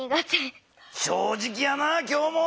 正直やな今日も。